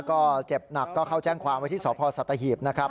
ก็เจ็บหนักก็เข้าแจ้งความไว้ที่สพสัตหีบนะครับ